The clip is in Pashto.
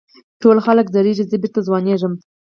ټول خلک زړېږي زه بېرته ځوانېږم.